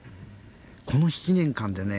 この７年間でね